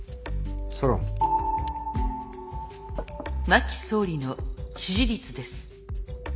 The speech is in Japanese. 真木総理の支持率です。